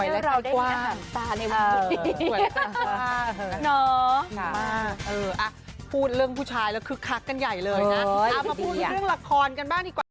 และให้ทุกคนได้เห็นสิ่งที่เขาตั้งใจมาก